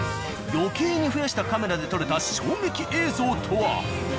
余計に増やしたカメラで撮れた衝撃映像とは。